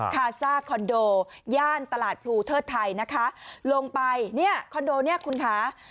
คาซ่าคอนโดย่านตลาดพลูเทิดไทยนะคะลงไปเนี่ยคอนโดเนี่ยคุณคะ